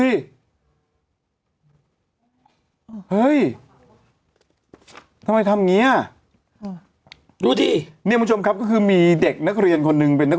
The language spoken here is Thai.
อ่ะเฮ้ยทำไมทำงี้อ่ะดูที่เนี้ยผู้ชมครับคือมีเด็กนักเรียนคนนึงเป็นนัก